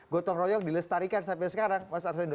gotong royong dilestarikan sampai sekarang mas arswendo